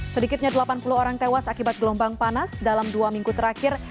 sedikitnya delapan puluh orang tewas akibat gelombang panas dalam dua minggu terakhir